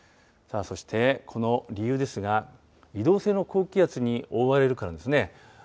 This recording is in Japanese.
そして、この理由ですが、移動性の高気圧に覆われるからですね。